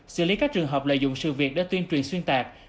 xử lý các trường hợp lợi dụng sự việc để tuyên truyền xuyên tạc